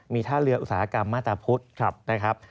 มีท่าเรืออุตสาหกรรมมาตรพุทธนะครับ